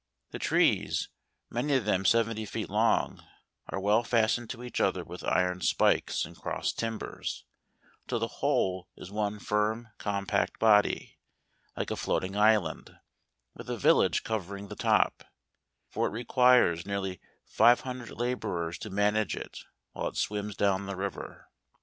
The trees, many of them 70 feet long, are all well fastened to each other with iron spikes, and cross timbers : till the whole is one firm compact body, like a floating island, with a village covering the top; for it requires nearly 500 labourers to manage it, while it swims down the river.